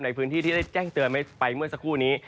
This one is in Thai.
ในพื้นที่ที่ได้แจ้งเตือนไปเมื่อสักครู่นี้